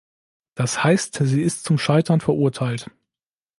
Das heißt, sie ist zum Scheitern verurteilt.